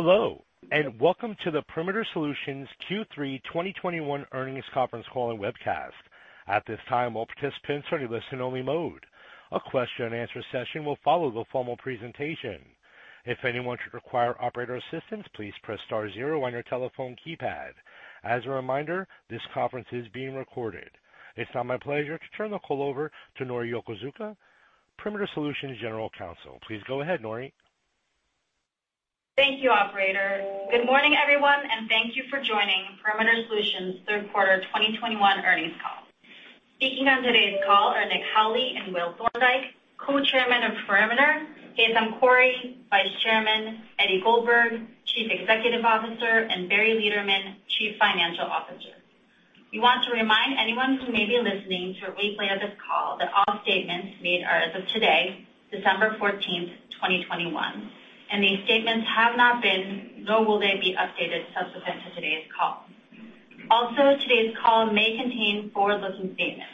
Hello, and welcome to the Perimeter Solutions Q3 2021 earnings conference call and webcast. At this time, all participants are in listen-only mode. A question-and-answer session will follow the formal presentation. If anyone should require operator assistance, please press star zero on your telephone keypad. As a reminder, this conference is being recorded. It's now my pleasure to turn the call over to Nori Yokozuka, Perimeter Solutions General Counsel. Please go ahead, Nori. Thank you, operator. Good morning, everyone, and thank you for joining Perimeter Solutions third quarter 2021 earnings call. Speaking on today's call are Nick Howley and Will Thorndike, Co-Chairman of Perimeter, Haitham Khouri, Vice Chairman, Eddie Goldberg, Chief Executive Officer, and Barry Lederman, Chief Financial Officer. We want to remind anyone who may be listening to a replay of this call that all statements made are as of today, December 14, 2021, and these statements have not been, nor will they be updated subsequent to today's call. Also, today's call may contain forward-looking statements.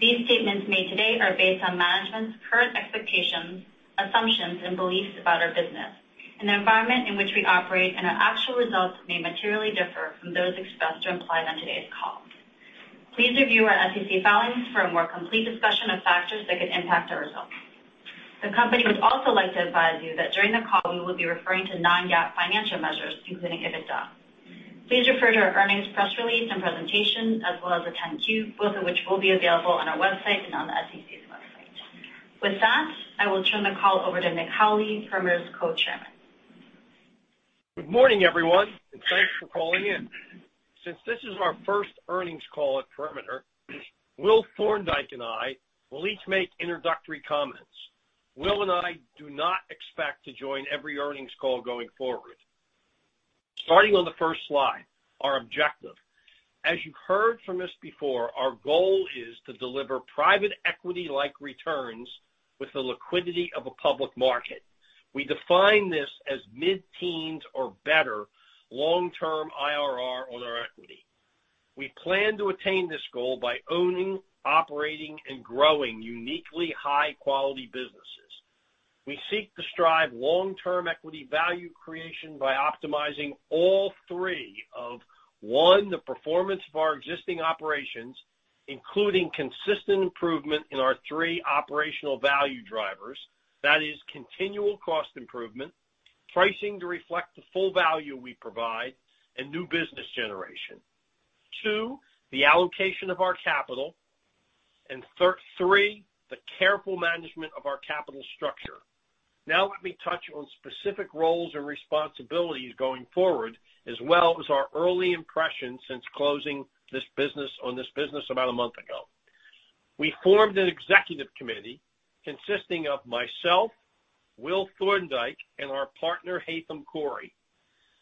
These statements made today are based on management's current expectations, assumptions, and beliefs about our business and the environment in which we operate, and our actual results may materially differ from those expressed or implied on today's call. Please review our SEC filings for a more complete discussion of factors that could impact our results. The company would also like to advise you that during the call, we will be referring to non-GAAP financial measures, including EBITDA. Please refer to our earnings press release and presentation as well as the 10-Q, both of which will be available on our website and on the SEC's website. With that, I will turn the call over to Nick Howley, Perimeter's Co-Chairman. Good morning, everyone, and thanks for calling in. Since this is our first earnings call at Perimeter, Will Thorndike and I will each make introductory comments. Will and I do not expect to join every earnings call going forward. Starting on the first slide, our objective. As you heard from us before, our goal is to deliver private equity-like returns with the liquidity of a public market. We define this as mid-teens or better long-term IRR on our equity. We plan to attain this goal by owning, operating, and growing uniquely high-quality businesses. We seek to strive long-term equity value creation by optimizing all three of, one, the performance of our existing operations, including consistent improvement in our three operational value drivers. That is continual cost improvement, pricing to reflect the full value we provide, and new business generation. Two, the allocation of our capital. Three, the careful management of our capital structure. Now let me touch on specific roles and responsibilities going forward, as well as our early impressions since closing this business about a month ago. We formed an executive committee consisting of myself, Will Thorndike, and our partner, Haitham Khouri.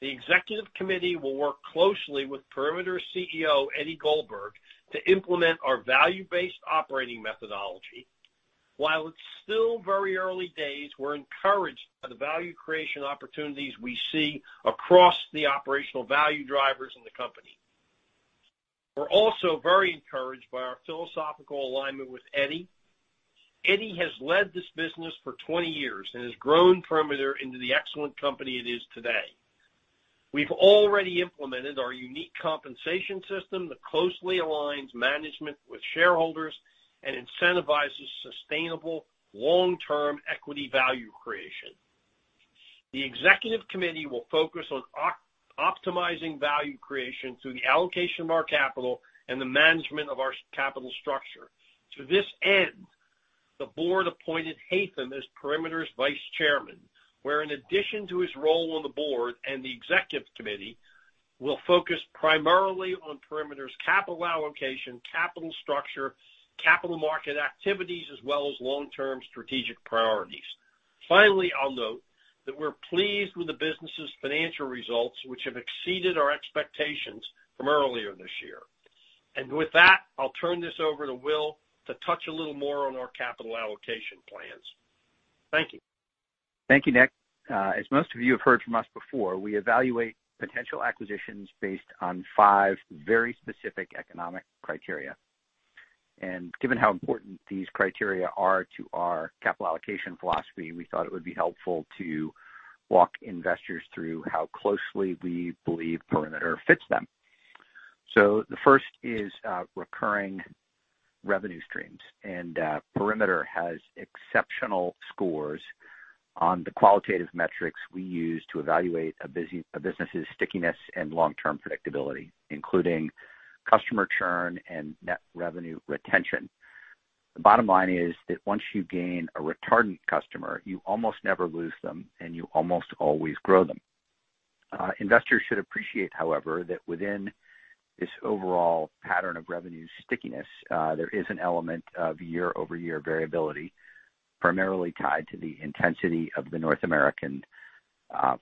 The executive committee will work closely with Perimeter's CEO, Eddie Goldberg, to implement our value-based operating methodology. While it's still very early days, we're encouraged by the value creation opportunities we see across the operational value drivers in the company. We're also very encouraged by our philosophical alignment with Eddie. Eddie has led this business for 20 years and has grown Perimeter into the excellent company it is today. We've already implemented our unique compensation system that closely aligns management with shareholders and incentivizes sustainable long-term equity value creation. The executive committee will focus on optimizing value creation through the allocation of our capital and the management of our capital structure. To this end, the board appointed Haitham as Perimeter's Vice Chairman, where in addition to his role on the board and the executive committee, will focus primarily on Perimeter's capital allocation, capital structure, capital market activities, as well as long-term strategic priorities. Finally, I'll note that we're pleased with the business's financial results, which have exceeded our expectations from earlier this year. With that, I'll turn this over to Will to touch a little more on our capital allocation plans. Thank you. Thank you, Nick. As most of you have heard from us before, we evaluate potential acquisitions based on five very specific economic criteria. Given how important these criteria are to our capital allocation philosophy, we thought it would be helpful to walk investors through how closely we believe Perimeter fits them. The first is recurring revenue streams. Perimeter has exceptional scores on the qualitative metrics we use to evaluate a business's stickiness and long-term predictability, including customer churn and net revenue retention. The bottom line is that once you gain a retardant customer, you almost never lose them, and you almost always grow them. Investors should appreciate, however, that within this overall pattern of revenue stickiness, there is an element of year-over-year variability, primarily tied to the intensity of the North American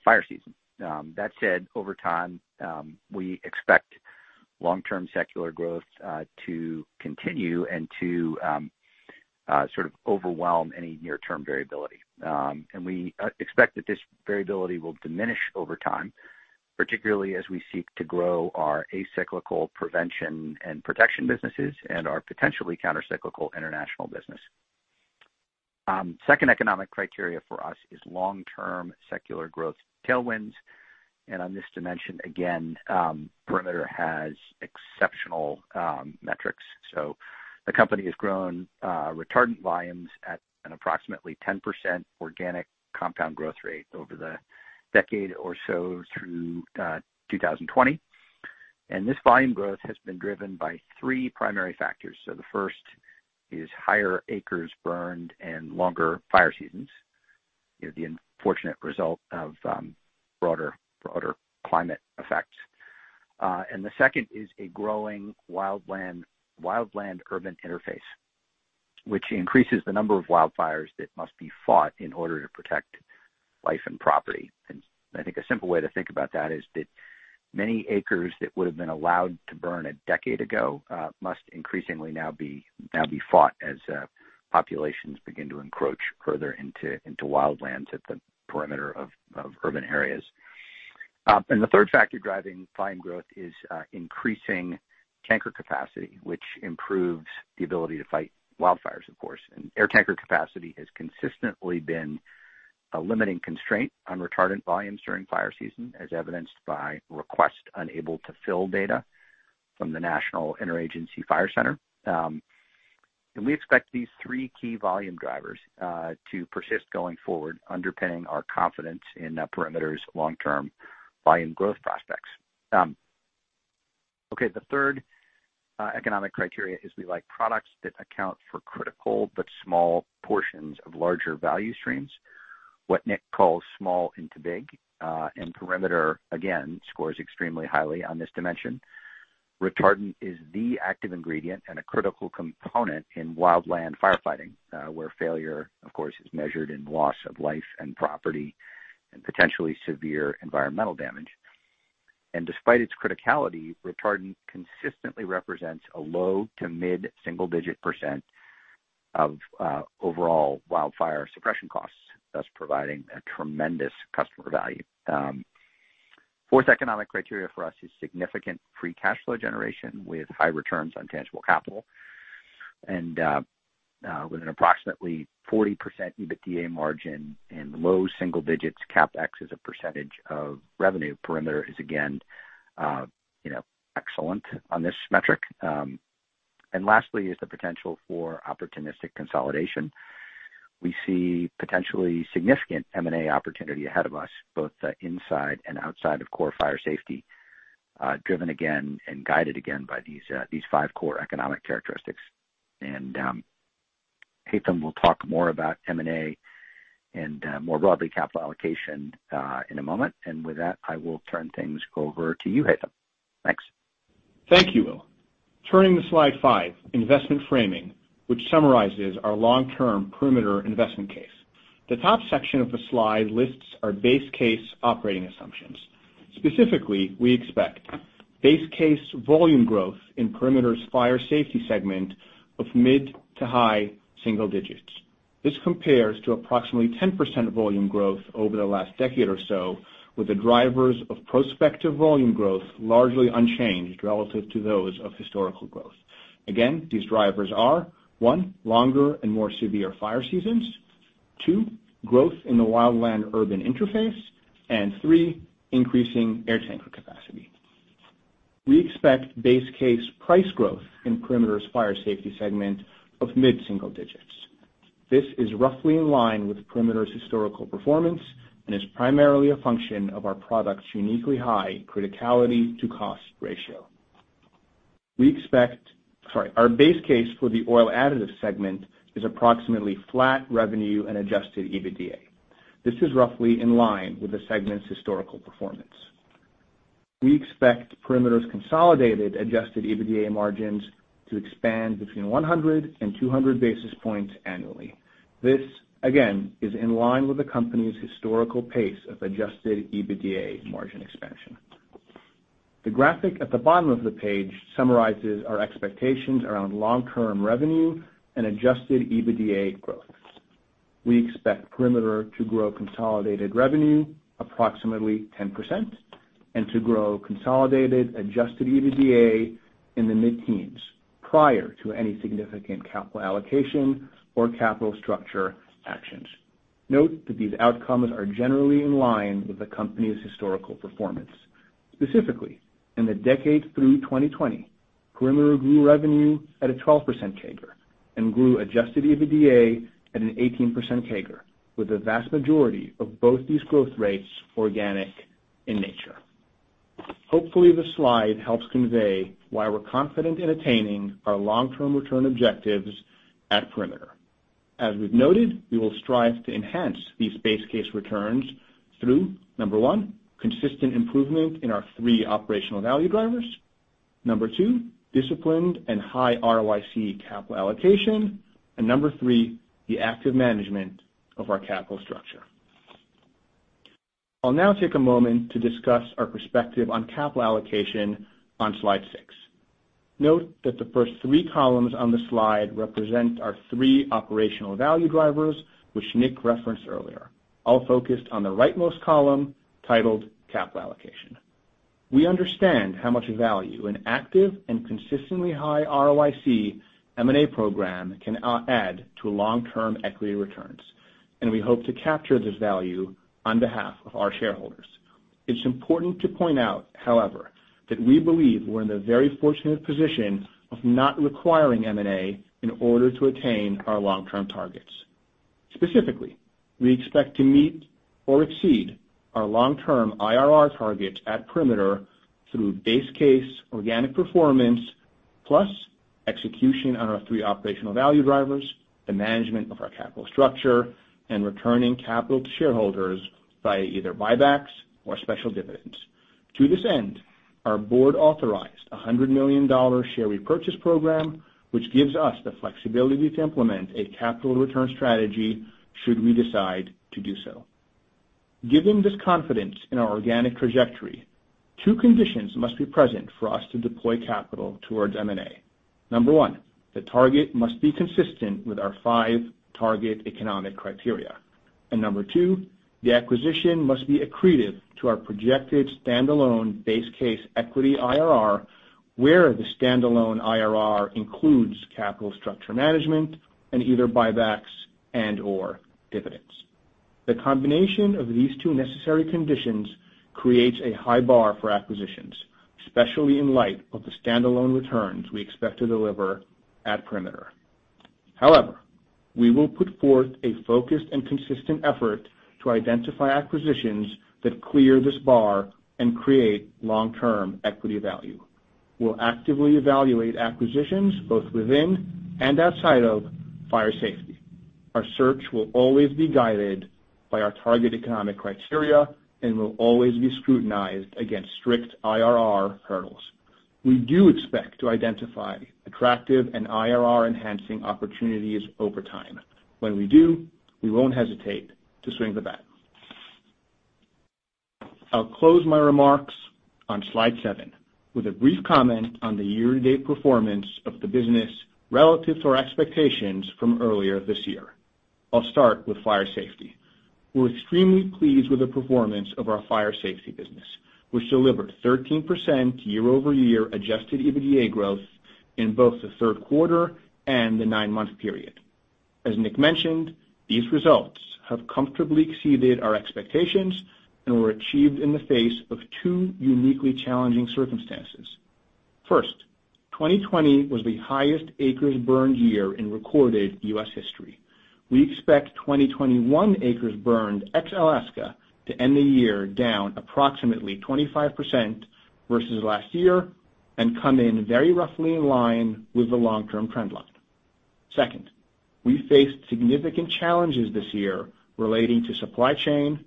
fire season. That said, over time, we expect long-term secular growth to continue and to sort of overwhelm any near-term variability. We expect that this variability will diminish over time, particularly as we seek to grow our acyclical prevention and protection businesses and our potentially countercyclical international business. Second economic criteria for us is long-term secular growth tailwinds. On this dimension, again, Perimeter has exceptional metrics. The company has grown retardant volumes at an approximately 10% organic compound growth rate over the decade or so through 2020. This volume growth has been driven by three primary factors. The first is higher acres burned and longer fire seasons. You know, the unfortunate result of broader climate effects. The second is a growing wildland urban interface, which increases the number of wildfires that must be fought in order to protect life and property. I think a simple way to think about that is that many acres that would've been allowed to burn a decade ago must increasingly now be fought as populations begin to encroach further into wildlands at the perimeter of urban areas. The third factor driving volume growth is increasing tanker capacity, which improves the ability to fight wildfires, of course. Air tanker capacity has consistently been a limiting constraint on retardant volumes during fire season, as evidenced by requests unable to fill data from the National Interagency Fire Center. We expect these three key volume drivers to persist going forward, underpinning our confidence in Perimeter's long-term volume growth prospects. Okay, the third economic criteria is we like products that account for critical but small portions of larger value streams, what Nick calls small into big. Perimeter, again, scores extremely highly on this dimension. Retardant is the active ingredient and a critical component in wildland firefighting, where failure, of course, is measured in loss of life and property and potentially severe environmental damage. Despite its criticality, retardant consistently represents a low- to mid-single-digit percent of overall wildfire suppression costs, thus providing a tremendous customer value. The fourth economic criteria for us is significant free cash flow generation with high returns on tangible capital. With an approximately 40% EBITDA margin and low single digits CapEx as a percentage of revenue, Perimeter is again, you know, excellent on this metric. Lastly is the potential for opportunistic consolidation. We see potentially significant M&A opportunity ahead of us, both inside and outside of core fire safety, driven again and guided again by these five core economic characteristics. Haitham will talk more about M&A and more broadly, capital allocation in a moment. With that, I will turn things over to you, Haitham. Thanks. Thank you, Will. Turning to slide five, investment framing, which summarizes our long-term Perimeter investment case. The top section of the slide lists our base case operating assumptions. Specifically, we expect base case volume growth in Perimeter's fire safety segment of mid to high single digits. This compares to approximately 10% volume growth over the last decade or so, with the drivers of prospective volume growth largely unchanged relative to those of historical growth. Again, these drivers are, one, longer and more severe fire seasons, two, growth in the wildland urban interface, and three, increasing air tanker capacity. We expect base case price growth in Perimeter's fire safety segment of mid-single digits. This is roughly in line with Perimeter's historical performance and is primarily a function of our product's uniquely high criticality to cost ratio. Our base case for the oil additives segment is approximately flat revenue and Adjusted EBITDA. This is roughly in line with the segment's historical performance. We expect Perimeter's consolidated Adjusted EBITDA margins to expand between 100 and 200 basis points annually. This, again, is in line with the company's historical pace of Adjusted EBITDA margin expansion. The graphic at the bottom of the page summarizes our expectations around long-term revenue and Adjusted EBITDA growth. We expect Perimeter to grow consolidated revenue approximately 10% and to grow consolidated Adjusted EBITDA in the mid-teens prior to any significant capital allocation or capital structure actions. Note that these outcomes are generally in line with the company's historical performance. Specifically, in the decade through 2020, Perimeter grew revenue at a 12% CAGR and grew Adjusted EBITDA at an 18% CAGR, with the vast majority of both these growth rates organic in nature. Hopefully, this slide helps convey why we're confident in attaining our long-term return objectives at Perimeter. As we've noted, we will strive to enhance these base case returns through, number one, consistent improvement in our three operational value drivers, number two, disciplined and high ROIC capital allocation, and number three, the active management of our capital structure. I'll now take a moment to discuss our perspective on capital allocation on slide six. Note that the first three columns on this slide represent our three operational value drivers, which Nick referenced earlier, all focused on the rightmost column titled Capital Allocation. We understand how much value an active and consistently high ROIC M&A program can add to long-term equity returns, and we hope to capture this value on behalf of our shareholders. It's important to point out, however, that we believe we're in the very fortunate position of not requiring M&A in order to attain our long-term targets. Specifically, we expect to meet or exceed our long-term IRR targets at Perimeter through base case organic performance plus execution on our three operational value drivers, the management of our capital structure, and returning capital to shareholders by either buybacks or special dividends. To this end, our board authorized $100 million share repurchase program, which gives us the flexibility to implement a capital return strategy should we decide to do so. Given this confidence in our organic trajectory, two conditions must be present for us to deploy capital towards M&A. Number one, the target must be consistent with our five target economic criteria. Number two, the acquisition must be accretive to our projected standalone base case equity IRR, where the standalone IRR includes capital structure management and either buybacks and/or dividends. The combination of these two necessary conditions creates a high bar for acquisitions, especially in light of the standalone returns we expect to deliver at Perimeter. However, we will put forth a focused and consistent effort to identify acquisitions that clear this bar and create long-term equity value. We'll actively evaluate acquisitions both within and outside of fire safety. Our search will always be guided by our target economic criteria and will always be scrutinized against strict IRR hurdles. We do expect to identify attractive and IRR-enhancing opportunities over time. When we do, we won't hesitate to swing the bat. I'll close my remarks on slide seven with a brief comment on the year-to-date performance of the business relative to our expectations from earlier this year. I'll start with fire safety. We're extremely pleased with the performance of our fire safety business, which delivered 13% year-over-year Adjusted EBITDA growth in both the third quarter and the nine month period. As Nick mentioned, these results have comfortably exceeded our expectations and were achieved in the face of two uniquely challenging circumstances. First, 2020 was the highest acres burned year in recorded U.S. history. We expect 2021 acres burned ex-Alaska to end the year down approximately 25% versus last year and come in very roughly in line with the long-term trend line. Second, we faced significant challenges this year relating to supply chain,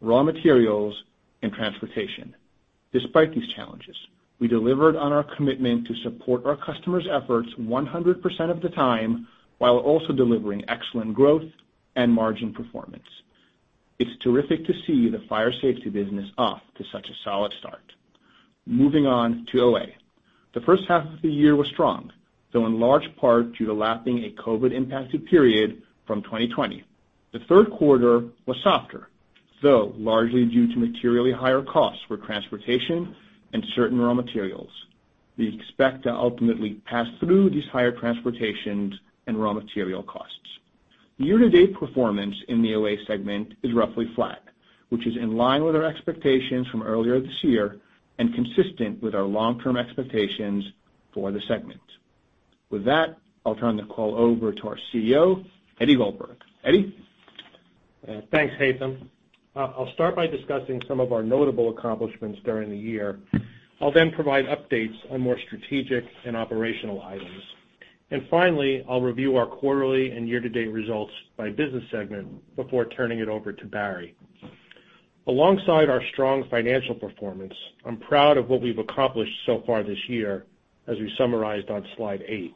raw materials, and transportation. Despite these challenges, we delivered on our commitment to support our customers' efforts 100% of the time, while also delivering excellent growth and margin performance. It's terrific to see the fire safety business off to such a solid start. Moving on to OA. The first half of the year was strong, though in large part due to lapping a COVID-impacted period from 2020. The third quarter was softer, though largely due to materially higher costs for transportation and certain raw materials. We expect to ultimately pass through these higher transportation and raw material costs. The year-to-date performance in the OA segment is roughly flat, which is in line with our expectations from earlier this year and consistent with our long-term expectations for the segment. With that, I'll turn the call over to our CEO, Eddie Goldberg. Eddie? Thanks, Haitham. I'll start by discussing some of our notable accomplishments during the year. I'll then provide updates on more strategic and operational items. Finally, I'll review our quarterly and year-to-date results by business segment before turning it over to Barry. Alongside our strong financial performance, I'm proud of what we've accomplished so far this year, as we summarized on slide eight.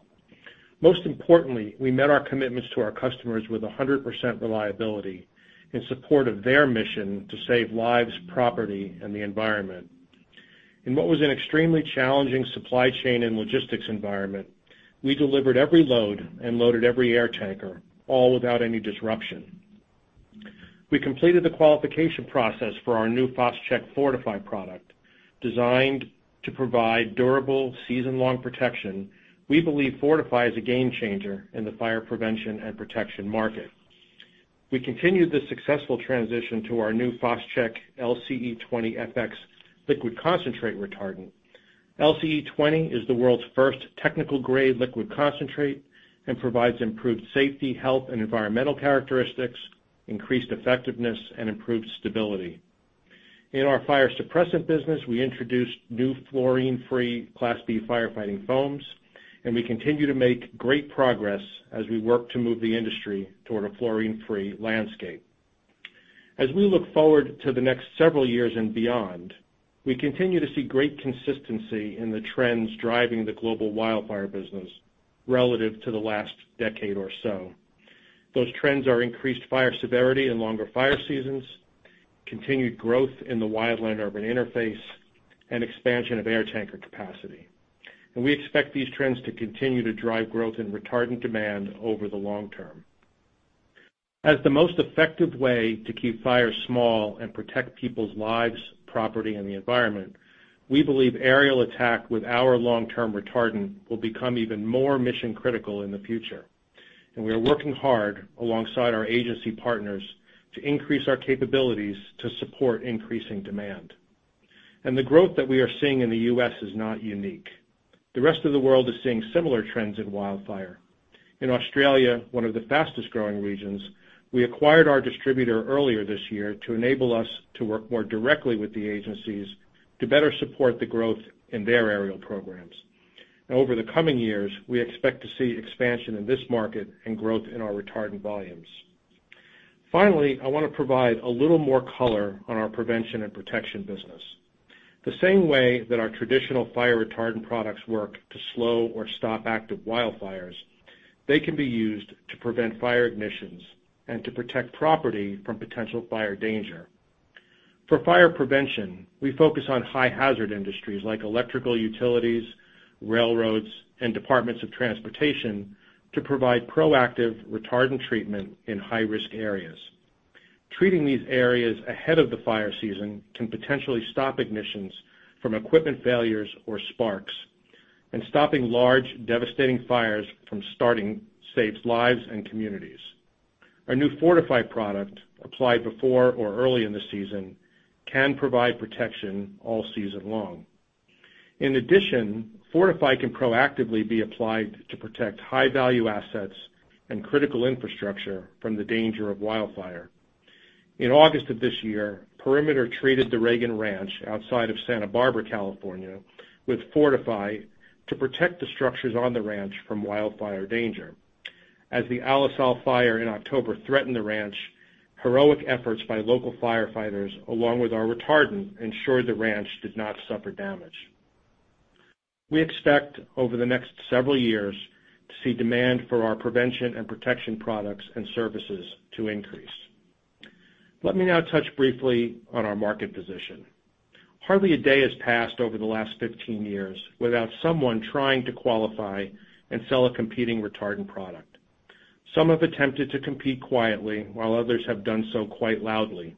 Most importantly, we met our commitments to our customers with 100% reliability in support of their mission to save lives, property, and the environment. In what was an extremely challenging supply chain and logistics environment, we delivered every load and loaded every air tanker, all without any disruption. We completed the qualification process for our new PHOS-CHEK FORTIFY product. Designed to provide durable season-long protection, we believe FORTIFY is a game changer in the fire prevention and protection market. We continued the successful transition to our new PHOS-CHEK LCE20-Fx liquid concentrate retardant. LCE20 is the world's first technical-grade liquid concentrate and provides improved safety, health, and environmental characteristics, increased effectiveness, and improved stability. In our fire suppressant business, we introduced new fluorine-free Class B firefighting foams, and we continue to make great progress as we work to move the industry toward a fluorine-free landscape. As we look forward to the next several years and beyond, we continue to see great consistency in the trends driving the global wildfire business relative to the last decade or so. Those trends are increased fire severity and longer fire seasons, continued growth in the wildland-urban interface, and expansion of air tanker capacity. We expect these trends to continue to drive growth in retardant demand over the long term. As the most effective way to keep fires small and protect people's lives, property, and the environment, we believe aerial attack with our long-term retardant will become even more mission-critical in the future. We are working hard alongside our agency partners to increase our capabilities to support increasing demand. The growth that we are seeing in the U.S. is not unique. The rest of the world is seeing similar trends in wildfire. In Australia, one of the fastest-growing regions, we acquired our distributor earlier this year to enable us to work more directly with the agencies to better support the growth in their aerial programs. Over the coming years, we expect to see expansion in this market and growth in our retardant volumes. Finally, I want to provide a little more color on our prevention and protection business. The same way that our traditional fire retardant products work to slow or stop active wildfires, they can be used to prevent fire ignitions and to protect property from potential fire danger. For fire prevention, we focus on high hazard industries like electrical utilities, railroads, and departments of transportation to provide proactive retardant treatment in high-risk areas. Treating these areas ahead of the fire season can potentially stop ignitions from equipment failures or sparks, and stopping large devastating fires from starting saves lives and communities. Our new Fortify product, applied before or early in the season, can provide protection all season long. In addition, Fortify can proactively be applied to protect high-value assets and critical infrastructure from the danger of wildfire. In August of this year, Perimeter treated the Reagan Ranch outside of Santa Barbara, California, with FORTIFY to protect the structures on the ranch from wildfire danger. As the Alisal Fire in October threatened the ranch, heroic efforts by local firefighters, along with our retardant, ensured the ranch did not suffer damage. We expect over the next several years to see demand for our prevention and protection products and services to increase. Let me now touch briefly on our market position. Hardly a day has passed over the last 15 years without someone trying to qualify and sell a competing retardant product. Some have attempted to compete quietly, while others have done so quite loudly.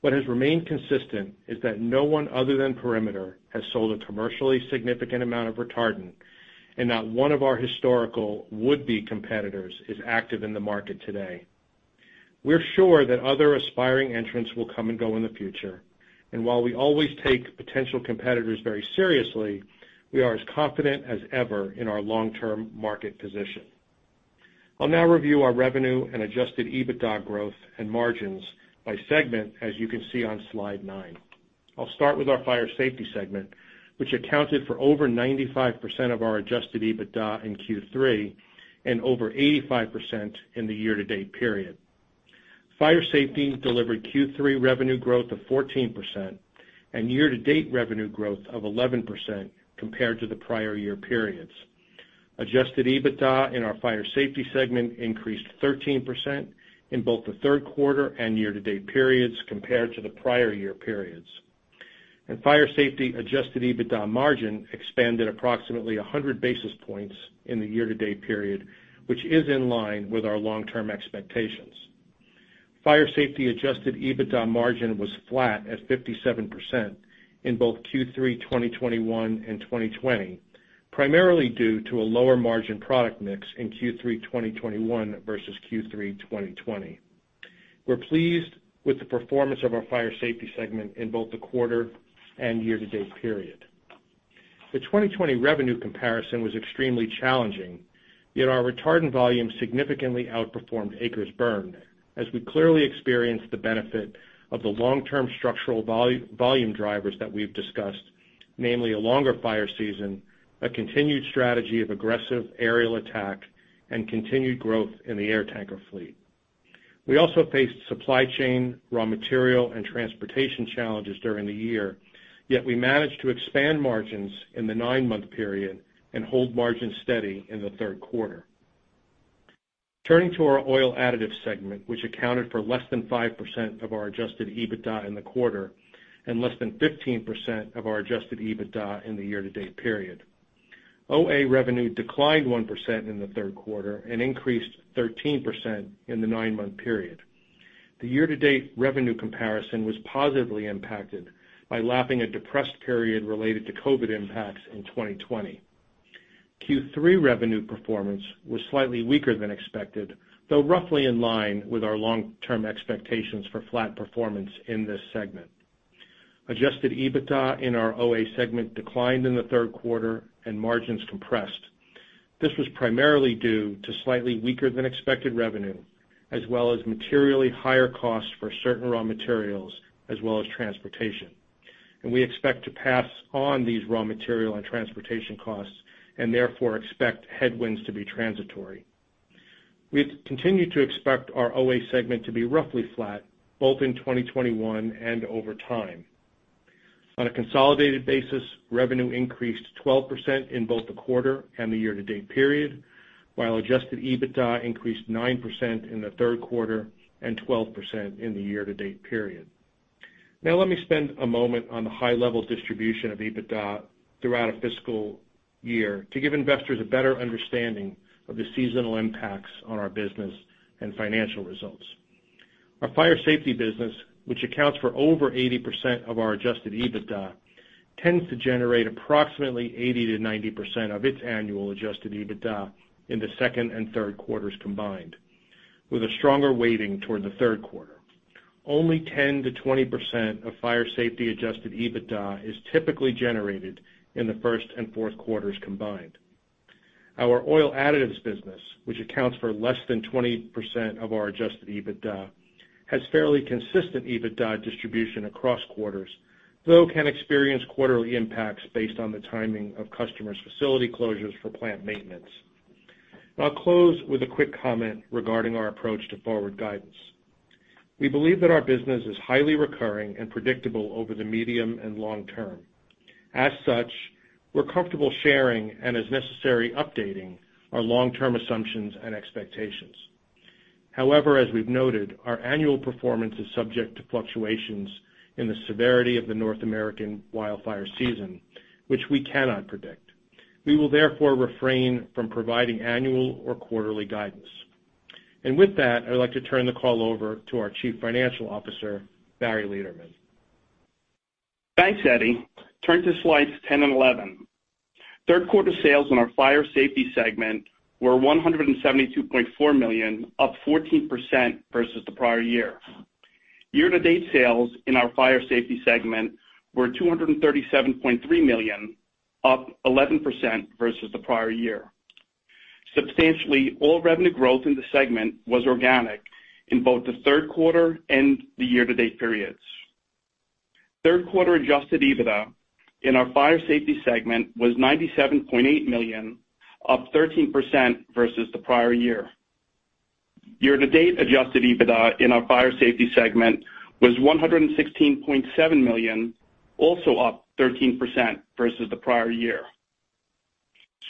What has remained consistent is that no one other than Perimeter has sold a commercially significant amount of retardant and not one of our historical would-be competitors is active in the market today. We're sure that other aspiring entrants will come and go in the future. While we always take potential competitors very seriously, we are as confident as ever in our long-term market position. I'll now review our revenue and Adjusted EBITDA growth and margins by segment, as you can see on slide nine. I'll start with our Fire Safety segment, which accounted for over 95% of our Adjusted EBITDA in Q3 and over 85% in the year-to-date period. Fire Safety delivered Q3 revenue growth of 14% and year-to-date revenue growth of 11% compared to the prior year periods. Adjusted EBITDA in our Fire Safety segment increased 13% in both the third quarter and year-to-date periods compared to the prior year periods. Fire Safety Adjusted EBITDA margin expanded approximately 100 basis points in the year-to-date period, which is in line with our long-term expectations. Fire Safety Adjusted EBITDA margin was flat at 57% in both Q3 2021 and 2020, primarily due to a lower margin product mix in Q3 2021 versus Q3 2020. We're pleased with the performance of our Fire Safety segment in both the quarter and year-to-date period. The 2020 revenue comparison was extremely challenging, yet our retardant volume significantly outperformed acres burned, as we clearly experienced the benefit of the long-term structural volume drivers that we've discussed, namely a longer fire season, a continued strategy of aggressive aerial attack, and continued growth in the air tanker fleet. We also faced supply chain, raw material, and transportation challenges during the year, yet we managed to expand margins in the nine-month period and hold margins steady in the third quarter. Turning to our oil additives segment, which accounted for less than 5% of our Adjusted EBITDA in the quarter and less than 15% of our Adjusted EBITDA in the year-to-date period. OA revenue declined 1% in the third quarter and increased 13% in the nine month period. The year-to-date revenue comparison was positively impacted by lapping a depressed period related to COVID impacts in 2020. Q3 revenue performance was slightly weaker than expected, though roughly in line with our long-term expectations for flat performance in this segment. Adjusted EBITDA in our OA segment declined in the third quarter and margins compressed. This was primarily due to slightly weaker than expected revenue, as well as materially higher costs for certain raw materials as well as transportation. We expect to pass on these raw material and transportation costs and therefore expect headwinds to be transitory. We continue to expect our OA segment to be roughly flat, both in 2021 and over time. On a consolidated basis, revenue increased 12% in both the quarter and the year-to-date period, while Adjusted EBITDA increased 9% in the third quarter and 12% in the year-to-date period. Now let me spend a moment on the high level distribution of EBITDA throughout a fiscal year to give investors a better understanding of the seasonal impacts on our business and financial results. Our fire safety business, which accounts for over 80% of our Adjusted EBITDA, tends to generate approximately 80%-90% of its annual Adjusted EBITDA in the second and third quarters combined, with a stronger weighting toward the third quarter. Only 10%-20% of fire safety Adjusted EBITDA is typically generated in the first and fourth quarters combined. Our oil additives business, which accounts for less than 20% of our Adjusted EBITDA, has fairly consistent EBITDA distribution across quarters, though can experience quarterly impacts based on the timing of customers' facility closures for plant maintenance. I'll close with a quick comment regarding our approach to forward guidance. We believe that our business is highly recurring and predictable over the medium and long term. As such, we're comfortable sharing and as necessary, updating our long-term assumptions and expectations. However, as we've noted, our annual performance is subject to fluctuations in the severity of the North American wildfire season, which we cannot predict. We will therefore refrain from providing annual or quarterly guidance. With that, I'd like to turn the call over to our Chief Financial Officer, Barry Lederman. Thanks, Eddie. Turn to slides 10 and 11. Third quarter sales in our Fire Safety segment were $172.4 million, up 14% versus the prior year. Year-to-date sales in our Fire Safety segment were $237.3 million, up 11% versus the prior year. Substantially, all revenue growth in the segment was organic in both the third quarter and the year-to-date periods. Third quarter Adjusted EBITDA in our Fire Safety segment was $97.8 million, up 13% versus the prior year. Year-to-date Adjusted EBITDA in our Fire Safety segment was $116.7 million, also up 13% versus the prior year.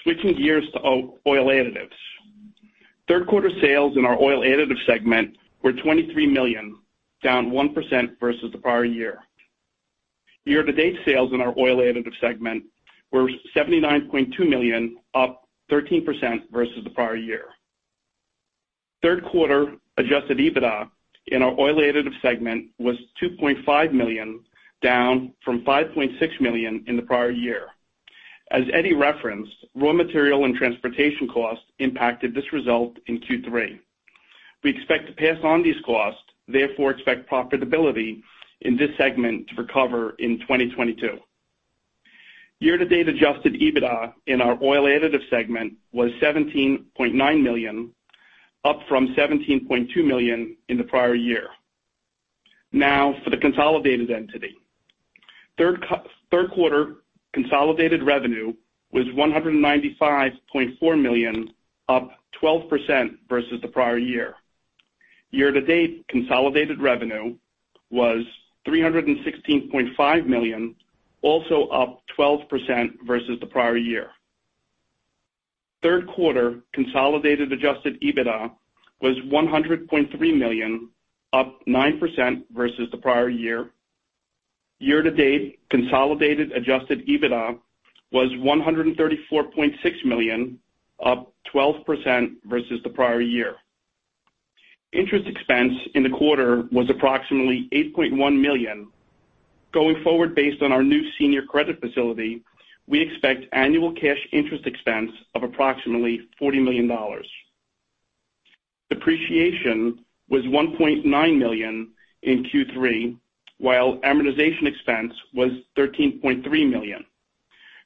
Switching gears to oil additives. Third quarter sales in our Oil Additives segment were $23 million, down 1% versus the prior year. Year-to-date sales in our oil additive segment were $79.2 million, up 13% versus the prior year. Third quarter Adjusted EBITDA in our oil additive segment was $2.5 million, down from $5.6 million in the prior year. As Eddie referenced, raw material and transportation costs impacted this result in Q3. We expect to pass on these costs, therefore expect profitability in this segment to recover in 2022. Year-to-date Adjusted EBITDA in our oil additive segment was $17.9 million, up from $17.2 million in the prior year. Now for the consolidated entity. Third quarter consolidated revenue was $195.4 million, up 12% versus the prior year. Year-to-date consolidated revenue was $316.5 million, also up 12% versus the prior year. Third quarter consolidated Adjusted EBITDA was $100.3 million, up 9% versus the prior year. Year-to-date consolidated Adjusted EBITDA was $134.6 million, up 12% versus the prior year. Interest expense in the quarter was approximately $8.1 million. Going forward, based on our new senior credit facility, we expect annual cash interest expense of approximately $40 million. Depreciation was $1.9 million in Q3, while amortization expense was $13.3 million.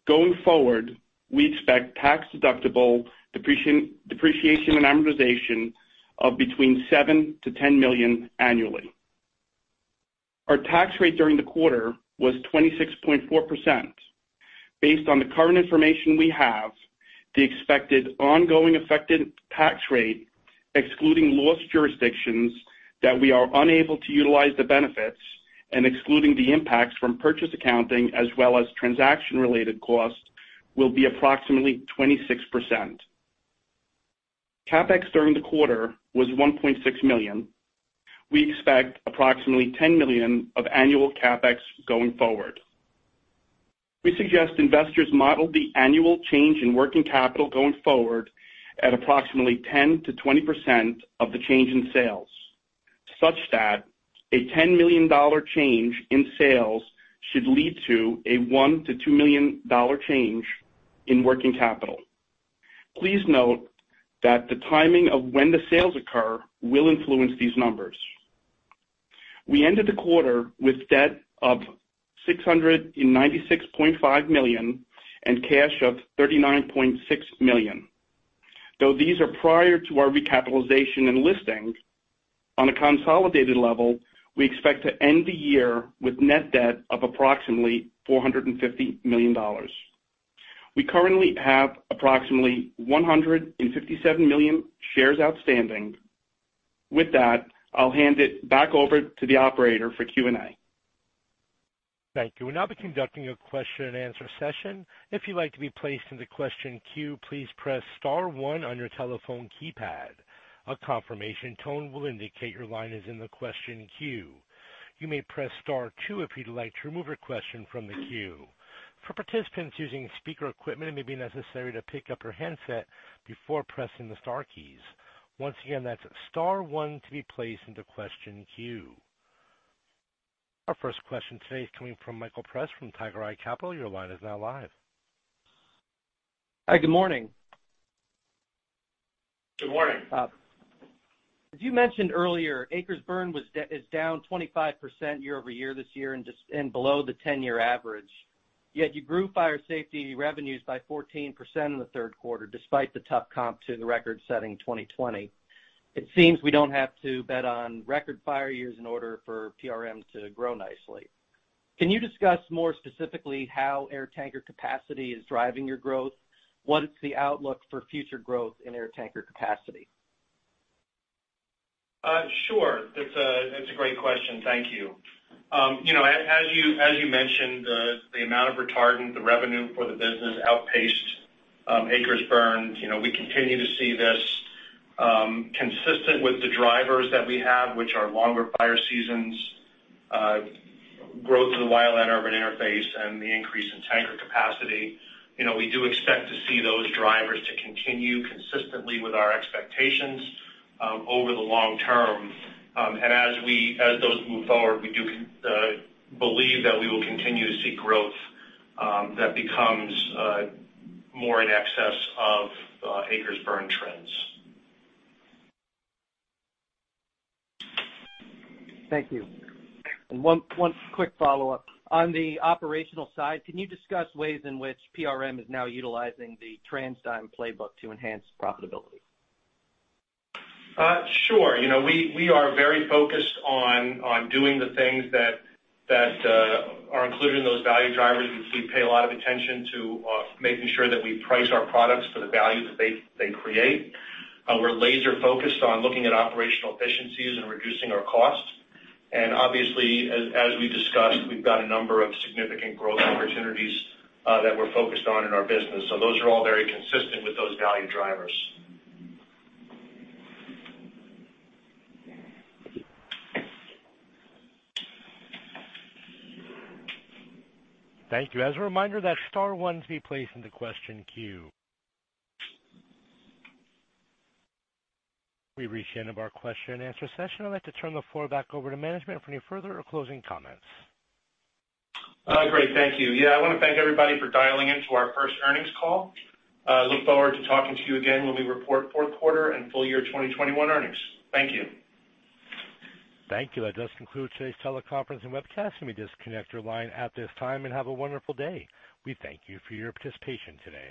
Going forward, we expect tax-deductible depreciation and amortization of between 7-10 million annually. Our tax rate during the quarter was 26.4%. Based on the current information we have, the expected ongoing effective tax rate, excluding loss jurisdictions that we are unable to utilize the benefits and excluding the impacts from purchase accounting as well as transaction-related costs, will be approximately 26%. CapEx during the quarter was $1.6 million. We expect approximately $10 million of annual CapEx going forward. We suggest investors model the annual change in working capital going forward at approximately 10%-20% of the change in sales, such that a $10 million change in sales should lead to a $1 million-$2 million change in working capital. Please note that the timing of when the sales occur will influence these numbers. We ended the quarter with debt of $696.5 million and cash of $39.6 million. Though these are prior to our recapitalization and listing, on a consolidated level, we expect to end the year with net debt of approximately $450 million. We currently have approximately 157 million shares outstanding. With that, I'll hand it back over to the operator for Q&A. Thank you. We'll now be conducting a question-and-answer session. If you'd like to be placed in the question queue, please press star one on your telephone keypad. A confirmation tone will indicate your line is in the question queue. You may press star two if you'd like to remove your question from the queue. For participants using speaker equipment, it may be necessary to pick up your handset before pressing the star keys. Once again, that's star one to be placed into question queue. Our first question today is coming from [Michael Press] from Tiger Eye Capital. Your line is now live. Hi, good morning. Good morning. As you mentioned earlier, acres burned is down 25% year-over-year this year and below the 10-year average. Yet you grew fire safety revenues by 14% in the third quarter, despite the tough comp to the record-setting 2020. It seems we don't have to bet on record fire years in order for PRM to grow nicely. Can you discuss more specifically how air tanker capacity is driving your growth? What is the outlook for future growth in air tanker capacity? Sure. That's a great question, thank you. You know, as you mentioned, the amount of retardant, the revenue for the business outpaced acres burned. You know, we continue to see this consistent with the drivers that we have, which are longer fire seasons, growth of the wildland urban interface, and the increase in tanker capacity. You know, we do expect to see those drivers to continue consistently with our expectations over the long term. As those move forward, we do believe that we will continue to see growth that becomes more in excess of acres burned trends. Thank you. One quick follow-up. On the operational side, can you discuss ways in which PRM is now utilizing the TransDigm playbook to enhance profitability? Sure. You know, we are very focused on doing the things that are included in those value drivers. You see, we pay a lot of attention to making sure that we price our products for the value that they create. We're laser focused on looking at operational efficiencies and reducing our costs. Obviously, as we discussed, we've got a number of significant growth opportunities that we're focused on in our business. Those are all very consistent with those value drivers. Thank you. As a reminder, that's star one to be placed into question queue. We've reached the end of our question and answer session. I'd like to turn the floor back over to management for any further or closing comments. Great, thank you. Yeah, I wanna thank everybody for dialing in to our first earnings call. Look forward to talking to you again when we report fourth quarter and full year 2021 earnings. Thank you. Thank you. That does conclude today's teleconference and webcast. You may disconnect your line at this time, and have a wonderful day. We thank you for your participation today.